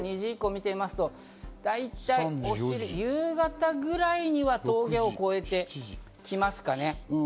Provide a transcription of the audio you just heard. ２時以降を見てみますと、大体夕方くらいには峠を越えてきますかね。